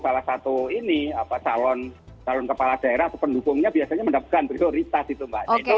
salah satu ini salun kepala daerah pendukungnya biasanya mendapatkan prioritas gitu mbak